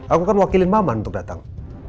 aku kan wakilin maman untuk datang